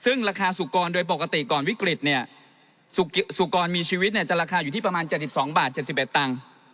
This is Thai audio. ซึ่งราคาสุกรโดยปกติก่อนวิกฤตเนี่ยสุกรมีชีวิตเนี่ยจะราคาอยู่ที่ประมาณ๗๒บาท๗๑ตังค์